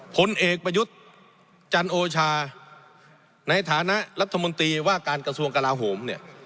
ผลเอกประยุทธ์จันโอชาในฐานะรัฐมนตรีว่าการกระทรวงกลาโหมเนี่ย